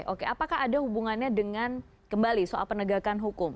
oke apakah ada hubungannya dengan kembali soal penegakan hukum